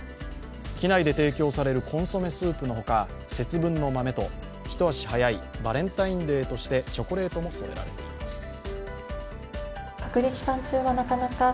機内で提供されるコンソメスープの他、節分の豆と一足早いバレンタインデーとしてチョコレートも添えられています。